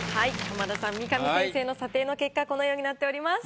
浜田さん三上先生の査定の結果このようになっております。